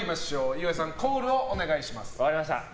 岩井さん、コールをお願いします。